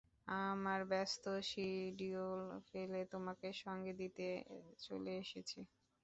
আমার ব্যস্ত শিডিউল ফেলে তোমাকে সঙ্গ দিতে চলে এসেছি।